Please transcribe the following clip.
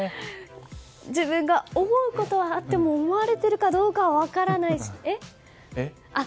自分が思うことはあっても思われてるかどうかは分からないし、えっ。